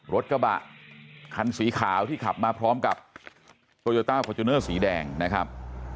รถกระบะคันสีขาวที่ขับมาพร้อมกับโตโยต้าฟอร์จูเนอร์สีแดงนะครับ